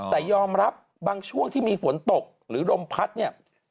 แต่ยอมรับบางช่วงที่มีฝนตกหรือลมพัดเนี่ย